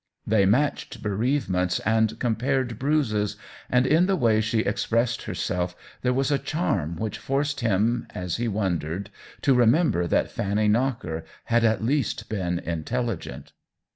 They matched bereavements and compared bruises, and in the way she expressed herself there was a charm which forced him, as he wondered, to remember that Fanny Knocker had at least been intelligent.